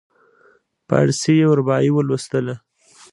فارسي یوه رباعي ولوستله.